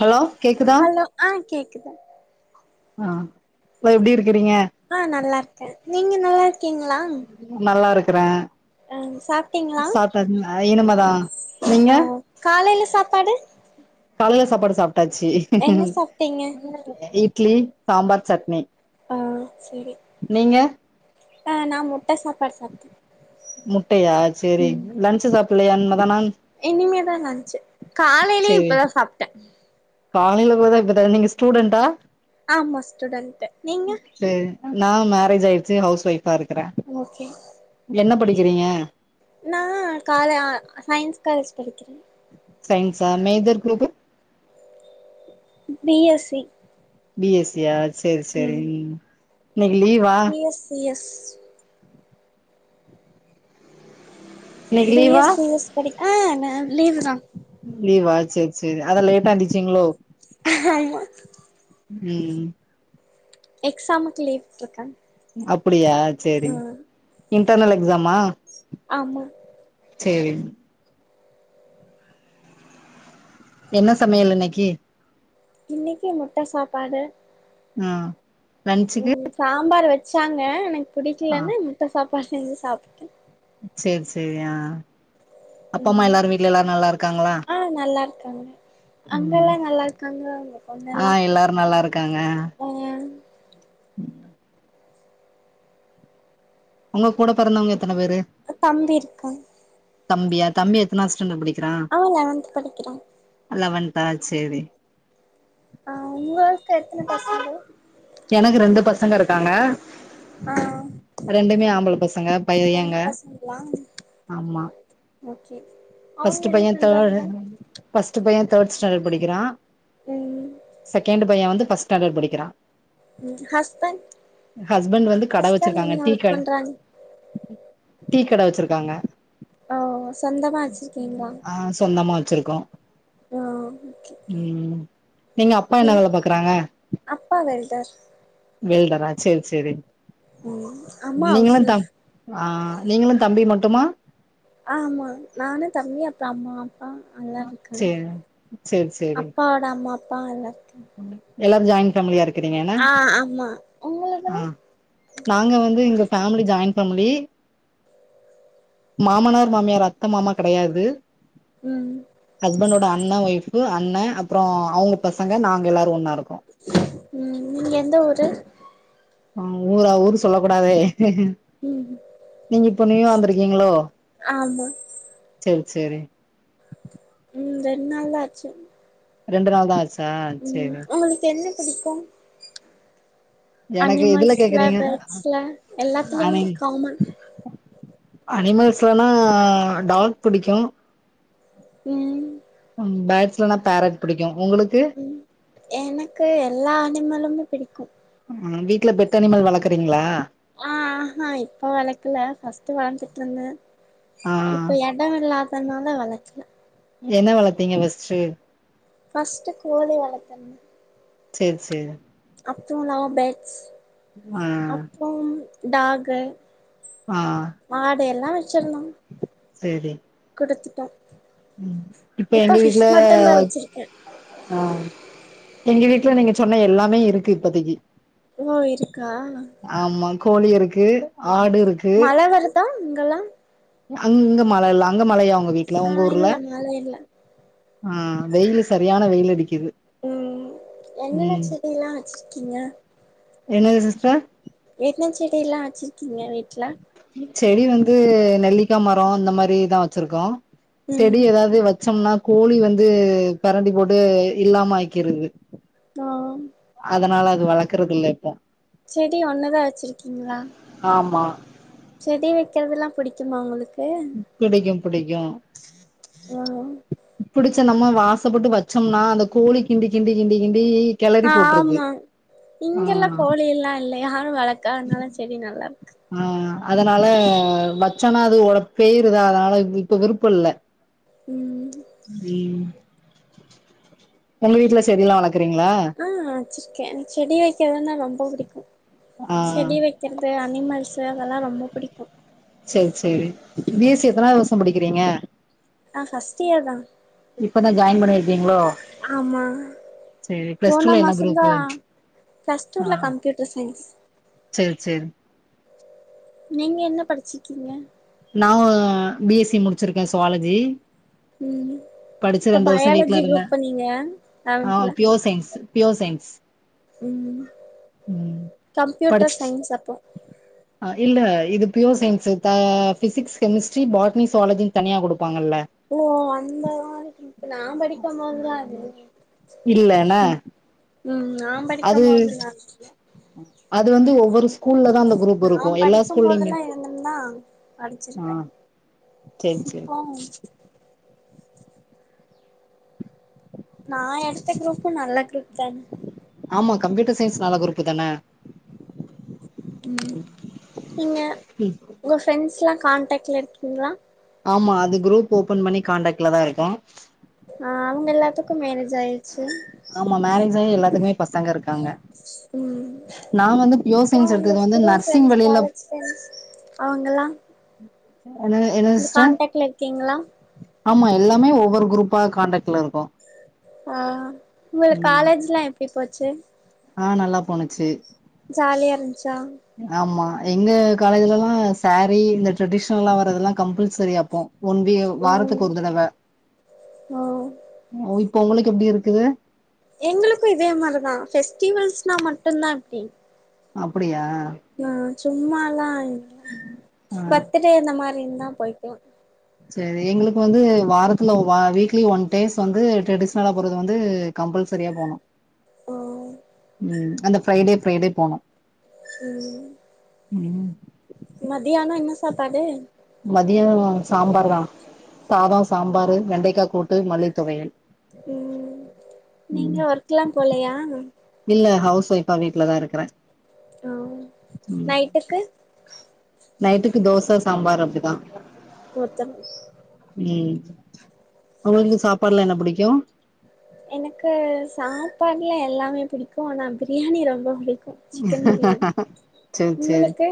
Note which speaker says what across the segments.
Speaker 1: hello கேக்குதா
Speaker 2: hello ஆ கேக்குது
Speaker 1: ஆ லோ எப்டி இருக்கிறீங்க
Speaker 2: ஆ நல்லா இருக்க நீங்க நல்லா இருக்கீங்களா
Speaker 1: நல்லா இருக்குற
Speaker 2: ஆ சாப்ட்டீங்களா
Speaker 1: சாப்ட இனிமதா நீங்க
Speaker 2: காலைல சாப்பாடு
Speaker 1: காலைல சாப்பாடு சாப்ட்டாச்சு
Speaker 2: என்ன சாப்ட்டீங்க
Speaker 1: இட்லி சாம்பார் சட்னி
Speaker 2: ஆ சேரி
Speaker 1: நீங்க
Speaker 2: ஆ நா முட்ட சாப்பாடு சாப்ட்ட
Speaker 1: முட்டையா சரி லன்சு சாப்பில்லையா இன்மதானா
Speaker 2: இனிமே தா லன்ச் காலைலே
Speaker 1: சேரி
Speaker 2: இப்பதா சாப்ட்ட
Speaker 1: காலைல போதா இப்ப டைமிங்கு ஸ்டூடெண்டா
Speaker 2: ஆமா ஸ்டூடெண்டு நீங்க
Speaker 1: சரி நா மேரேஜ் ஆய்ருச்சு ஹவுஸ் ஒய்ஃபா இருக்கற
Speaker 2: ஓகே
Speaker 1: என்ன படிக்கிறீங்க
Speaker 2: நா கால சயின்ஸ் காலேஜ் படிக்கிற
Speaker 1: சயின்ஸா major group
Speaker 2: B S C
Speaker 1: B S C யா சேரி சேரி
Speaker 2: ம்
Speaker 1: இன்னக்கி லீவா
Speaker 2: பி எஸ் எஸ்
Speaker 1: இன்னைக்கு
Speaker 2: பி
Speaker 1: லீவா
Speaker 2: எஸ் சி எஸ் படிக் அ மேம் லீவுதா
Speaker 1: லீவா சேர் சேர் அதா லேட்டா எந்திச்சிங்களோ
Speaker 2: ஆமா
Speaker 1: ம்
Speaker 2: எக்ஸாமுக்கு லீவ் விட்ருக்காங்
Speaker 1: அப்டியா சேரிங் இன்டர்னல் எக்ஸாமா
Speaker 2: ஆமா
Speaker 1: சேரிங் என்ன சமையல் இன்னக்கி
Speaker 2: இன்னக்கி முட்ட சாப்பாடு
Speaker 1: அ லன்ச்சுக்கு
Speaker 2: ம் சாம்பார் வச்சாங்க எனக்
Speaker 1: ஆ
Speaker 2: புடிக்கலனு முட்ட சாப்பாடு செஞ்சு சாப்புட்டே
Speaker 1: சேர் சேரி அ அப்பா அம்மா
Speaker 2: ம்
Speaker 1: எல்லாரு வீட்ல எல்லாரு நல்லாருக்காங்ளா
Speaker 2: ஆ நல்லா இருக்காங்க அங்கெல்லா
Speaker 1: ம்
Speaker 2: நல்லா இருக்காங்க உங்க
Speaker 1: அ எல்லாரு நல்லாருக்காங்க
Speaker 2: ஒய்க
Speaker 1: ஒங்க கூட பெறந்தவங்க எத்தன பேரு
Speaker 2: தம்பி இருக்கா
Speaker 1: தம்பியா தம்பி எத்தனாவது ஸ்டாண்டர்ட் படி
Speaker 2: அவெ லவன்த் படிக்கிறா
Speaker 1: லவன்த்தா சேரி
Speaker 2: அ ஒங்களுக்கு எத்தன பசங்க
Speaker 1: எனக்கு ரெண்டு பசங்க இருக்காங்க
Speaker 2: அ
Speaker 1: ரெண்டுமே ஆம்பள பசங்க பையங்க
Speaker 2: பசங்களா
Speaker 1: ஆமா
Speaker 2: ஓகே அவங்க
Speaker 1: ஃபஸ்ட்டு
Speaker 2: என்ன
Speaker 1: பையே தேர்டு
Speaker 2: பண்றாங்க
Speaker 1: ஃபஸ்ட்டு பையே தேர்ட் ஸ்டாண்டர்ட் படிக்கிறா
Speaker 2: ம்
Speaker 1: செகேண்ட்டு பையே வந்து ஃபர்ஸ்ட் ஸ்டாண்டர்ட் படிக்கிறா
Speaker 2: ம் ஹஸ்பண்ட்
Speaker 1: ஹஸ்பண்ட் வந்து கட
Speaker 2: ஹஸ்பண்ட்
Speaker 1: வச்சுருக்காங்க
Speaker 2: என்ன
Speaker 1: டீ
Speaker 2: ஒர்க்
Speaker 1: கட
Speaker 2: பண்றாங்க
Speaker 1: டீ கட வச்சுருக்காங்க
Speaker 2: ஓ சொந்தமா வச்சிருக்கீங்களா
Speaker 1: ஆ சொந்தமா வச்சுருக்கோ
Speaker 2: ஆ ஓகே
Speaker 1: ம் நீங்க அப்பா
Speaker 2: நீ
Speaker 1: என்ன வேல பாக்குறாங்க
Speaker 2: அப்பா வெல்டர்
Speaker 1: வெல்டரா சேரி சேரி
Speaker 2: ம் அம்மா அவுஸ்
Speaker 1: நீங்களு தம்
Speaker 2: ஒய்ஃப்
Speaker 1: ஆ நீங்களு தம்பியு மட்டுமா
Speaker 2: ஆமா நானு தம்பி அப்றோ அம்மா அ அல்லாருக்காங்க
Speaker 1: சேரி சேரி சேரி
Speaker 2: அப்பாவோட அம்மா அப்பா அல்லாருக்காங்க
Speaker 1: எல்லாரு ஜாயின்ட் ஃபேமிலியா இருக்
Speaker 2: அ ஆமா
Speaker 1: ஆ
Speaker 2: ஒங்களுக்கெலா
Speaker 1: நாங்க வந்து இங்க ஃபேமிலி ஜாய்ன் ஃபேமிலி மாமனார் மாமியார் அத்த மாமா கெடையாது
Speaker 2: ம்
Speaker 1: ஹஸ்பண்டோட அண்ண ஒய்ஃபு அண்ணே அப்பறோ அவுங்க பசங்க நாங்க எல்லாரு ஒன்னா இருக்கோ
Speaker 2: ம் நீங்க எந்த ஊரு
Speaker 1: ம் ஊரா ஊரு சொல்லக் கூடாதே
Speaker 2: ம்
Speaker 1: நீங்க இப்ப நியூவா வந்துருக்கீங்களோ
Speaker 2: ஆமா
Speaker 1: செர் சேரி
Speaker 2: ம் ரெண்ட் நாள் தா ஆச்சு
Speaker 1: ரெண்டு நாள் தா ஆச்
Speaker 2: ம் ஒங்களுக்கு என்ன புடிக்கு
Speaker 1: எனக்கு எதுல
Speaker 2: அனிமல்ஸ்ல
Speaker 1: கேக்குறீங்க
Speaker 2: பேர்ட்ஸ்ல எல்லாத்துலயுமே
Speaker 1: ஆனே
Speaker 2: காமன்
Speaker 1: அனிமல்ஸ்லனா டாக் புடிக்கு
Speaker 2: உம்
Speaker 1: ம் பேட்ஸ்லனா பேரட் புடிக்கு உங்களுக்கு
Speaker 2: எனக்கு எல்லா அனிமலுமே புடிக்கு
Speaker 1: உம் வீட்ல பெட்டனிமல் வளக்குறீங்களா
Speaker 2: ஆஹ்ஹா இப்ப வளக்கல ஃப்ஸ்ட் வளத்துட்டு இருந்தே
Speaker 1: ஆ
Speaker 2: இப்ப எடோ இல்லாத் தன்னால வளக்கல
Speaker 1: என்ன வளத்தீங்க ஃபஸ்ட்டு
Speaker 2: ஃபர்ஸ்ட்டு கோழி வளத்தன்
Speaker 1: சேர் சேர்
Speaker 2: அப்புறோ லவ்பேட்ஸ்
Speaker 1: ஆ
Speaker 2: அப்புறோம் டாகு
Speaker 1: ஆ
Speaker 2: மாடு எல்லாம் வச்சிருந்தோம்
Speaker 1: செரி
Speaker 2: குடுத்துட்டோம்
Speaker 1: ம் இப்ப எங்க வீட்டுல
Speaker 2: மட்டுந்தா வச்சிருக்கே
Speaker 1: ஆ எங்க வீட்டுல நீங்க சொன்ன எல்லாமே இருக்கு இப்பதிக்கி
Speaker 2: ஓ இருக்கா
Speaker 1: ஆமா கோழி இருக்கு ஆடு இருக்கு
Speaker 2: மழ வருதா அங்கல்லா
Speaker 1: அங்க மழயில்ல அங்க மழையா உங்க வீட்டுல
Speaker 2: ஆ
Speaker 1: உங்க ஊர்ல
Speaker 2: இல்ல மழ இல்ல
Speaker 1: ஆ வெயிலு சரியான வெயிலடிக்குது
Speaker 2: உம் என்னென்ன செடி எல்லா வச்சிருக்கீங்க
Speaker 1: என்னது சிஸ்டர்
Speaker 2: என்ன செடி ல்லாம் வச்சிருக்கீங்க வீட்ல
Speaker 1: செடி வந்து நெல்லிக்கா மரோ இந்த மாதிரிதா வச்சிருக்கோ செடி
Speaker 2: ம்
Speaker 1: ஏதாவ்து வச் ச்சோம்னா கோழி வந்து பரண்டி போட்டு இல்லாம ஆக்கிற்து
Speaker 2: ஓ
Speaker 1: அதனால அது வளக்குறதுல்ல
Speaker 2: செடி ஒண்ணுதா வச்சிருக்கீங்களா
Speaker 1: ஆமா
Speaker 2: செடி வெக்கிறதெல்லாம் புடிக்குமா உங்களுக்கு
Speaker 1: புடிக்கு புடிக்கும்
Speaker 2: ஆ
Speaker 1: புடிச்ச நம்ம வாசப்பட்டு வச்சோம்னா அந்த கோழி கிண்டி கிண்டி கிண்டி கிண்டி கெளறி போட்டுருது
Speaker 2: ஆமா
Speaker 1: ஆ
Speaker 2: இங்கெல்லா கோழி எல்லாம் இல்ல யாரும் வளக்கானால செடி நல்லா இருக்கு
Speaker 1: ஆ அதனால வச்சோன்னா அது உட பேயருதா அதனால இப்ப விருப்போ இல்ல
Speaker 2: ம்
Speaker 1: ம் ஒங்க வீட்டுல செடியெல்லா வளக்குறீங்களா
Speaker 2: ஆ வெச்சிருக்கேன் செடி வெக்கிறதுன்னா ரொம்ப புடிக்கும்
Speaker 1: ஆ
Speaker 2: செடி வெக் கிறது அனிமல்ஸ்ஸு அதெல்லாம் ரொம்ப புடிக்கு
Speaker 1: செர் செரி பி எஸ் சி எத்தனாது வர்ஷ்சம் படிக்கிறீங்க
Speaker 2: நா ஃபஸ்ட் இயர் தான்
Speaker 1: இப்பதா ஜாயின் பண்ணிருக்கீங்களோ
Speaker 2: ஆமா
Speaker 1: சேரி பிளஸ்
Speaker 2: போன
Speaker 1: டூல என்ன
Speaker 2: மாசோந்தா
Speaker 1: குரூப்பு
Speaker 2: ஃபஸ்ட் இயர்ல கம்ப்யூட்டர் சயின்ஸ்
Speaker 1: சேர் சேரி
Speaker 2: நீங்க என்ன படிச்சிற்கீங்க
Speaker 1: நா பி எஸ் சி முடிச்சிருக்கே சுவாலஜி
Speaker 2: ம்
Speaker 1: படிச்சு
Speaker 2: இப்ப
Speaker 1: ரெண்டு வருஷோ
Speaker 2: பயாலஜி
Speaker 1: வீட்ல இருந்தே
Speaker 2: குரூப்பு நீங்க
Speaker 1: ஆ
Speaker 2: லெவன்த்ல
Speaker 1: பியோர் சயின்ஸ் பியோர் சயின்ஸ்
Speaker 2: ம்
Speaker 1: ம் படிச்
Speaker 2: கம்ப்யூட்டர் சயின்ஸ் அப்போ
Speaker 1: அ இல்ல இது ப்யூர் சையின்ஸு த ஃபிசிக்ஸ் கெமிஸ்ட்ரி பாட்னி சுவாலஜின் தனியா குடுப்பாங்கல்ல
Speaker 2: ஓ அந்த மாரி இப்ப நா படிக்கம்போதுலா அதுல்லயே
Speaker 1: இல்லன
Speaker 2: ம் ஆம்
Speaker 1: அது அது வந்து ஒவ்வொரு ஸ்கூல்லதா அந்த குரூப்
Speaker 2: நா
Speaker 1: இருக்கு எல்லா ஸ்கூல்லயுமே
Speaker 2: படிக்கும்போதெல்லா இருந்துந்தா
Speaker 1: ஆ
Speaker 2: படிச்சிருப்பே
Speaker 1: சேரி சேரி
Speaker 2: சிப்போம் நா எடுத்த குரூப்பு நல்ல குரூப் தான
Speaker 1: ஆமா கம்ப்யூட்டர் சயின்ஸ் நல்ல குரூப்பு தான
Speaker 2: ம் நீங்க உங்க ஃப்ரெண்ஸ்லா கான்டாக்ல இருக்கீங்ளா
Speaker 1: ஆமா அது குரூப் ஓபன் பண்ணி காண்டாக்ட்லதா இருக்கோ
Speaker 2: அ அவுங்க எல்லாத்துக்கு மேரேஜ் ஆயிர்ச்சி
Speaker 1: ஆமா மேரேஜாயி எல்லாத்துக்குமே பசங்க இருக்காங்க
Speaker 2: ம்
Speaker 1: நா வந்து பியூர்
Speaker 2: ப்றோ
Speaker 1: சயின்ஸ்
Speaker 2: உங்க
Speaker 1: எடுத்தது வந்து
Speaker 2: ஸ்கூல்
Speaker 1: நர்சிங்
Speaker 2: ஃப்ரெண்ஸ்
Speaker 1: வழில
Speaker 2: காலேஜ் ஃப்ரெண்ட்ஸ் அவுங்கல்லா
Speaker 1: என்னங்க என்னங்க சிஸ்டர்
Speaker 2: இருக்கீங்களா
Speaker 1: ஆமா எல்லாமே ஒவ்வொரு குரூப்பா காண்டக்ட்ல இருக்கோ
Speaker 2: அ உங்குளுக் காலேஜ்லா எப்டி போச்சு
Speaker 1: அ நல்லா போணுச்சு
Speaker 2: ஜாலியா இருந்ச்சா
Speaker 1: ஆமா எங்க காலேஜ்லல்லா சேரீ இந்த ட்ரெடிஷ்னல்லா வரதெல்லா கம்பல்சரி அப்போ ஒன் வி
Speaker 2: ம்
Speaker 1: வாரத்துக்கு ஒரு தடவ
Speaker 2: ம்
Speaker 1: இப்போ உங்குளுக்கு எப்டி இருக்குது
Speaker 2: எங்களுக்கு இதே மாரிதா ஃபெஸ்டிவல்ஸ்னா மட்டுந்தா இப்டி
Speaker 1: அப்படியா
Speaker 2: அ சும்மால்லா இல்ல
Speaker 1: ஆ
Speaker 2: பர்த்துடே இந்த மாரிந்தா போய்க்குவோ
Speaker 1: சேரி எங்குளுக்கு வந்து வாரத்துல வ வீக்லி ஒன் டேஸ் வந்து ட்ரெடிஷ்னலா போறது வந்து கம்பல்சரியா போனு
Speaker 2: ஓ
Speaker 1: ம் அந்த ஃப்ரைடே ஃப்ரைடே போனு
Speaker 2: ம்
Speaker 1: ம்
Speaker 2: மத்தியானோ என்ன சாப்பாடு
Speaker 1: மதியோ சாம்பார்தா சாதோ சாம்பாரு வெண்டைக்கா கூட்டு மல்லித்தொவையல்
Speaker 2: ம் நீங்க ஒர்க்லா போலயா
Speaker 1: இல்ல ஹவுஸ் ஒய்ஃபா வீட்லதா இருக்கற
Speaker 2: அ நைட்டுக்கு
Speaker 1: நைட்டுக்கு தோச சாம்பார் அப்டிதா
Speaker 2: ஒர்த்தங்கள்
Speaker 1: ம் உங்குளுக்கு சாப்பாட்லா என்ன புடிக்கு
Speaker 2: எனக்கு சாப்பாட்ல எல்லாமே பிடிக்கு ஆனா பிரியாணி ரொம்ப பிடிக்
Speaker 1: சேரி சேரி
Speaker 2: உங்களுக்கு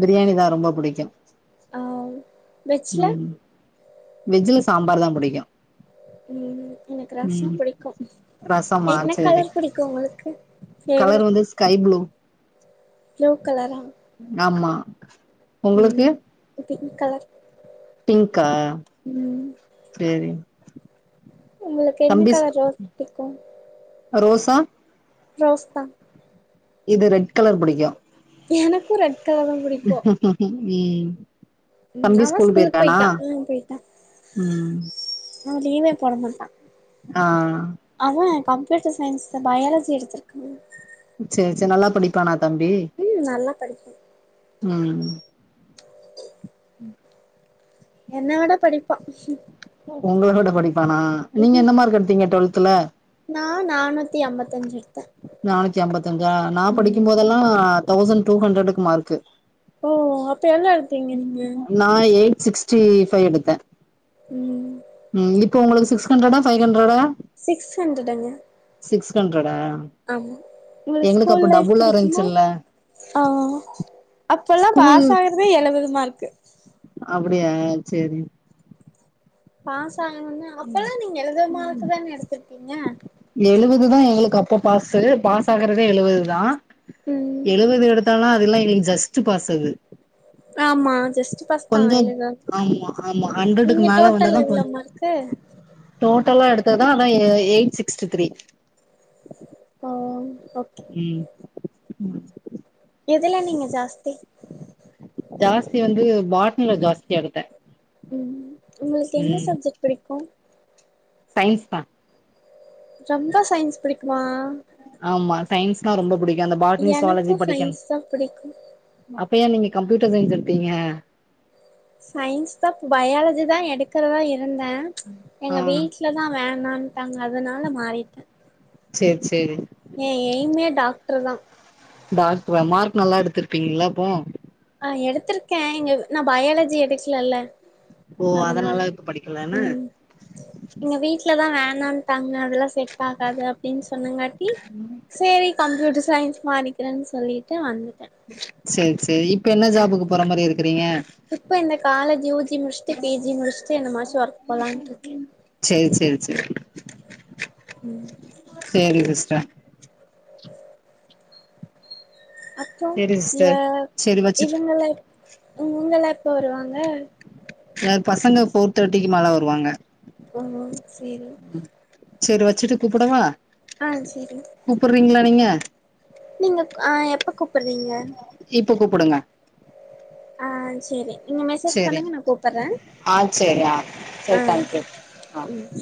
Speaker 1: பிரியாணிதா ரொம்போ புடிக்கு
Speaker 2: ஆ வெஜ்ஜுல
Speaker 1: வெஜ்ல சாம்பார்தா புடிக்கு
Speaker 2: உம் எனக்கு
Speaker 1: ம்
Speaker 2: ரசம் புடிக்கு
Speaker 1: ரசமா
Speaker 2: என்ன
Speaker 1: சேரி
Speaker 2: கலர் புடிக்கு உங்களுக்கு
Speaker 1: கலர்
Speaker 2: ஃபேவரட்
Speaker 1: வந்து ஸ்கை ப்ளூ
Speaker 2: ப்ளூ கலரா
Speaker 1: ஆமா
Speaker 2: உம்
Speaker 1: உங்களுக்கு
Speaker 2: பிங்க் கலர்
Speaker 1: பிங்க்கா
Speaker 2: உம்
Speaker 1: சேரி
Speaker 2: உங்களுக்கு என்ன
Speaker 1: தம்பி
Speaker 2: கலர் ரோஸ் பிடிக்கு
Speaker 1: ரோசா
Speaker 2: ரோஸ்தா
Speaker 1: இது ரெட் கலர் புடிக்கு
Speaker 2: எனக்கு ரெட் கலர் தா புடிக்கு
Speaker 1: உ உம்
Speaker 2: ம்
Speaker 1: தம்பி
Speaker 2: அவ
Speaker 1: ஸ்கூல் போயிருக்கானா
Speaker 2: போயிட்டா ம் போயிட்டா
Speaker 1: உம்
Speaker 2: அவ லீவே போட மாட்டா
Speaker 1: ஆ
Speaker 2: அவ கம்ப்யூட்டர் சயின்ஸில்ல பயாலஜி எடுத்துருக்கா
Speaker 1: சரி சரி நல்லா படிப்பானா தம்பி
Speaker 2: ம் நல்லா படிப்பா
Speaker 1: உம்
Speaker 2: என்ன விட படிப்பா
Speaker 1: உங்களவிட படிப்பானா நீங்க என்ன மார்க் எடுத்தீங்க டுவெல்த்துல
Speaker 2: நா நானூத்தி ஐம்பத்தி அஞ்சு எடுத்தே
Speaker 1: நானூத்தி அம்பத்தி அஞ்சா நா படிக்கும்
Speaker 2: ம்
Speaker 1: போதெல்லா தௌசண்ட் டூ ஹண்ட்ரடுக்கு மார்க்கு
Speaker 2: ஓ அப்ப எவ்வுளோ எடுத்தீங்க நீங்க
Speaker 1: நா எயிட் சிக்ஸ்டி ஃபைவ் எடுத்தே
Speaker 2: ம்
Speaker 1: ம் இப்போ உங்களுக்கு சிக்ஸ் ஹண்ட்ரடா வைவ் ஹண்ட்ரடா
Speaker 2: சிக்ஸ் ஹண்ட்ரடுங்க
Speaker 1: சிக்ஸ் ஹண்ட்ரடா
Speaker 2: ஆமா உங்களுக்கு
Speaker 1: எங்களுக்கு
Speaker 2: ஸ்கூல்
Speaker 1: அப்ப
Speaker 2: லைஃப்
Speaker 1: டபுளா
Speaker 2: பிடிக்குமா
Speaker 1: இருந்துச்சுல்ல
Speaker 2: ஆ அப்பல்லா
Speaker 1: ஸ்கூல்
Speaker 2: பாஸ் ஆகுறதே எழுபது மார்க்கு
Speaker 1: அப்படியா செரி
Speaker 2: பாசாகானும்னா அப்பல்லா நீங்க எழுபது மார்க்கு தானே எடுத்திருப்பீங்க
Speaker 1: எழுபது தா எங்களுக்கு அப்போ பாஸ்சு பாஸ் ஆகுறதே எழுவது தா
Speaker 2: உம்
Speaker 1: எழுபது எடுத்தாலா அதெல்லா எங்களுக்கு ஜஸ்ட் பாஸ்சு அது
Speaker 2: ஆமா ஜஸ்
Speaker 1: கொஞ்சு ஆமா ஆமா ஹண்ட்ரட்டுக்கு
Speaker 2: நீங்க
Speaker 1: மேல
Speaker 2: டோட்டல்
Speaker 1: வந்தாதா
Speaker 2: எவ்ளோ
Speaker 1: கொஞ்சு
Speaker 2: மார்க்கு
Speaker 1: டோட்டலா எடுத்தாதா அதா எயிட் சிக்ஸ்டி த்ரீ
Speaker 2: ஓ ஓகே
Speaker 1: உம்
Speaker 2: எதுல நீங்க ஜாஸ்தி
Speaker 1: ஜாஸ்தி வந்து பாட்னில ஜாஸ்தியா எடுத்தேன்
Speaker 2: ம் உங்களுக்கு என்ன சப்ஜெக்ட் பிடிக்கும்
Speaker 1: சயின்ஸ் தான்
Speaker 2: ரொம்ப சயின்ஸ் பிடிக்குமா
Speaker 1: ஆமா சயின்ஸ்னா ரொம்ப பிடிக்கும் அந்த பாட்னி
Speaker 2: எனக்கு
Speaker 1: சுவாலஜி படிக்கன்
Speaker 2: சயின்ஸ் தா பிடிக்கு
Speaker 1: அப்ப யென் நீங்க கம்ப்யூட்டர் சயின்ஸ் எடுத்தீங்க
Speaker 2: சயின்ஸ் தான் பயாலஜி தான் எடுக்கிறதா இருந்தன் எங்க
Speaker 1: ஆ
Speaker 2: வீட்டு வீட்ல தான் வேணான்டாங்க அதனால மாறிட்டே
Speaker 1: செர் செரி
Speaker 2: ஏன் எய்மே டாக்டர் தான்
Speaker 1: டாக்டரா மார்க் நல்லா எடுத்திருப்பீங்கள அப்போ
Speaker 2: அ எடுத்திருக்கேன் எங்க நான் பயாலஜி எடுக்கலல்ல
Speaker 1: ஓ
Speaker 2: அதனால
Speaker 1: இப்ப படிக்கலன்னு
Speaker 2: ம் எங்க வீட்லதான் வேணான்ட்டாங்க அதெல்லாம் செட் ஆகாது அப்டின்னு சொன்னங்காட்டி செரி கம்ப்யூட்டர் சயின்ஸ் மாறிக்கிறேன்னு சொல்லிட்டு வந்துட்டேன்
Speaker 1: செரி செரி இப்ப என்ன ஜாபுக்கு போற மாரி இருக்குறீங்க
Speaker 2: இப்ப இந்த காலேஜ் யூஜி முடிச்சுட்டு பிஜி முடிச்சுட்டு இந்த மாசோ ஒர்க்கு போலான்ட்டு இருக்கே
Speaker 1: செரி செரி செ
Speaker 2: ம்
Speaker 1: செரி சிஸ்டர்
Speaker 2: அப்போ
Speaker 1: சேரி
Speaker 2: உங்க
Speaker 1: சிஸ்டர் சேரி வச்சுட்டு
Speaker 2: இவங்களா எப் இவங்களா எப்ப வருவாங்க
Speaker 1: யென் பசங்க ஃபோர் தேர்ட்டிக்கு மேல வருவாங்க
Speaker 2: ஓ ஓ செரி
Speaker 1: செரி வச்சிட்டு கூப்படவா
Speaker 2: ஆ செரி
Speaker 1: கூப்பறீங்களா நீங்க
Speaker 2: நீங்க ஆ எப்ப கூப்பறீங்க
Speaker 1: இப்ப கூப்புடுங்க
Speaker 2: ஆ செரி நீங்க மெசேஜ்
Speaker 1: சேரி
Speaker 2: பண்ணுங்க நான் கூப்புறன்
Speaker 1: ஆ சரி ஆ சரி
Speaker 2: ஆ
Speaker 1: தேங்க்யூ ஆ
Speaker 2: ம்